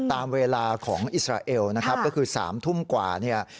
ตามเวลาของอิสราเอลนะครับก็คือ๓ทุ่มกว่าเนี่ย